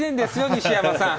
西山さん。